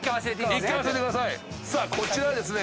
さあこちらはですね